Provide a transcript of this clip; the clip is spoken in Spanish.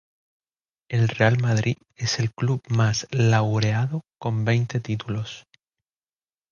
El Real Madrid es el club más laureado con veinte títulos.